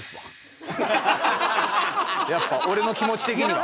やっぱ俺の気持ち的には。